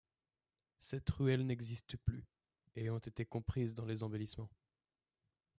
Cette ruelle n’existe plus, ayant été comprise dans les embellissements.